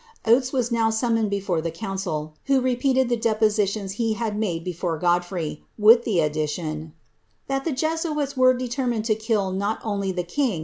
Oates was now summoned before the connciL who repeated the depositions he had made before Godfrey, with the addition, ^ that the Jesuits were determined to kill, not only the kinf.